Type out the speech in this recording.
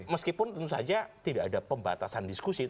meskipun tentu saja tidak ada pembatasan diskusi